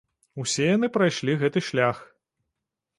Усе яны прайшлі гэты шлях.